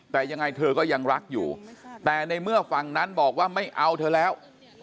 แต่ยังไงเธอก็ยังรักอยู่แต่ในเมื่อฝั่งนั้นบอกว่าไม่เอาเธอแล้ว